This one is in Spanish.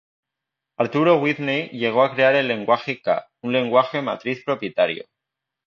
Arturo Whitney llegó a crear el lenguaje K, un lenguaje matriz propietario.